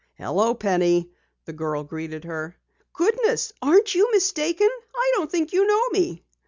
"Hello, Penny," the girl greeted her. "Goodness! Aren't you mistaken? I don't think you know me!"